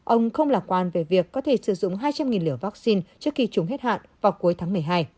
ông không lạc quan về việc có thể sử dụng hai trăm linh liều vaccine trước khi chúng hết hạn vào cuối tháng một mươi hai